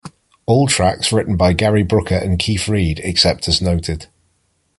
All tracks written by Gary Brooker and Keith Reid, except as noted.